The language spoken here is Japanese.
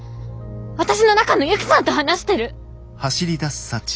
私の中のユキさんと話してる！